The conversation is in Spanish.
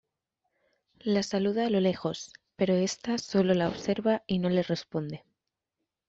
La saluda a lo lejos, pero esta solo la observa y no le responde.